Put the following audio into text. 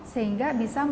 sehingga bisa memulai